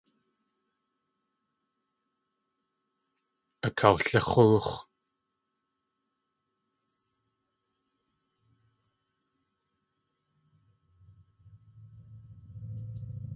Akawlix̲óox̲.